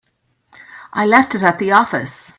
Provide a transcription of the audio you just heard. I left it at the office.